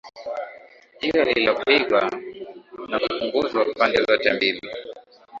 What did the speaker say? jiwe lilipigwa na kupunguzwa pande zote mbili